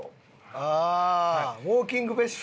ああウォーキング別所？